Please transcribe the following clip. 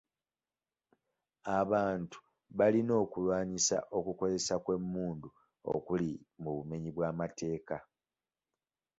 Abantu balina okulwanyisa okukozesa kw'emmundu okuli mu bumenyi bw'amateeka.